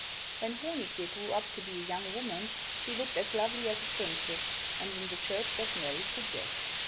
When Honig je' grew up to be a young woman, she looked as lovely as a princess and in the church was married to Dirck!